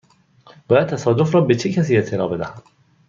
باید تصادف را به چه کسی اطلاع بدهم؟